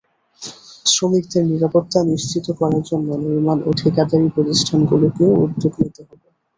শ্রমিকদের নিরাপত্তা নিশ্চিত করার জন্য নির্মাণ ও ঠিকাদারি প্রতিষ্ঠানগুলোকেও উদ্যোগ নিতে হবে।